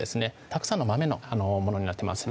たくさんの豆のものになってます